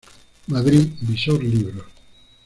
Madrid: Visor Libros.